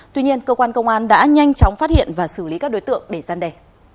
tuy nhiên cơ quan công an đã nhanh chóng phát hiện và xử lý các đối tượng để gian đề